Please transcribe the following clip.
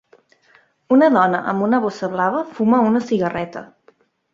Una dona amb una bossa blava fuma una cigarreta